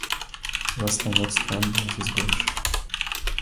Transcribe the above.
Застани отсрана да не се изгориш.